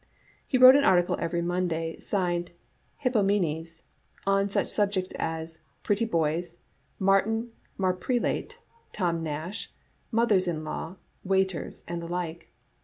He wrote an article every Monday, signed Hippomenes, on such subjects as " Pretty Boys," "Martin Marprelate,""Tom Nash," "Mothers in law," "Waiters," and the like.